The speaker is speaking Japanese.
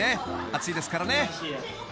熱いですからね］